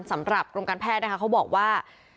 สำหรับกรมการแพทย์นะคะเขาบอกว่า